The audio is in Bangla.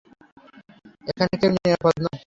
এখানে কেউ নিরাপদ নয়।